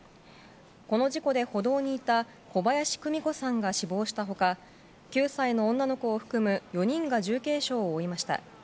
この事故で、歩道にいた小林久美子さんが死亡した他９歳の女の子を含む４人が重軽傷を負いました。